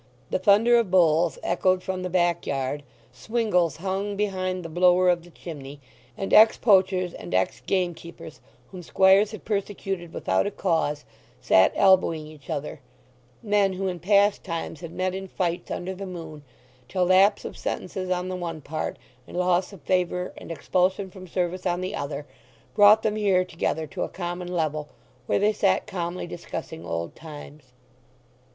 The thunder of bowls echoed from the backyard; swingels hung behind the blower of the chimney; and ex poachers and ex gamekeepers, whom squires had persecuted without a cause, sat elbowing each other—men who in past times had met in fights under the moon, till lapse of sentences on the one part, and loss of favour and expulsion from service on the other, brought them here together to a common level, where they sat calmly discussing old times.